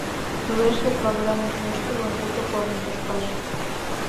Кӱлеш вет, лавырам нӧштылын, уто корным тошкаш!